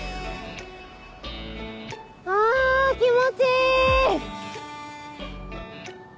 あ気持ちいい！